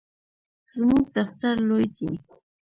زموږ دفتر لوی دی